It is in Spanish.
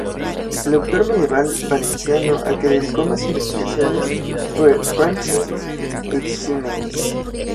El autor medieval valenciano al que dedicó más investigaciones fue Francesc Eiximenis.